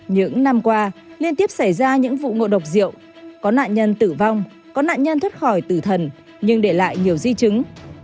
những năm qua liên tiếp xảy ra những vụ ngộ độc rượu có nạn nhân tử vong có nạn nhân thoát khỏi tử thần nhưng để lại nhiều di chứng